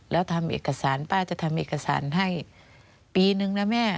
แล้วทำเอกสารป้าจะทำเอกสารให้ปีนึงนะแม่